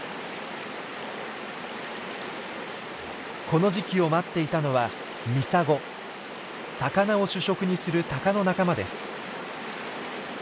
この時期を待っていたのは魚を主食にするタカの仲間です。